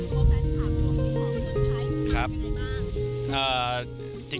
คุยกันอย่างไรบ้าง